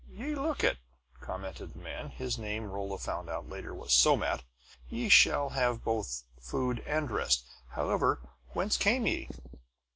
"Ye look it," commented the man. His name, Rolla found out later, was Somat. "Ye shall have both food and rest. However, whence came ye?"